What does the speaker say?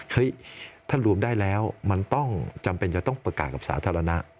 ถ้ารวมได้แล้วมันต้องจำเป็นจะต้องประกาศกับสาธารณะ